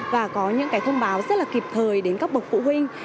và có những cái thông báo rất là kịp thời đến các bậc phụ huynh